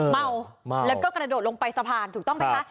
เมาแล้วก็กระโดดลงไปสะพานถูกต้องไหมคะ